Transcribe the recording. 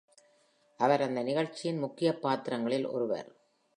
அவர் அந்த நிகழ்ச்சியின் முக்கியப் பாத்திரங்களில் ஒருவர்.